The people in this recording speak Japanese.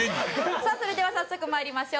さあそれでは早速参りましょう。